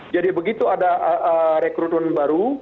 jadi begitu ada rekrutan baru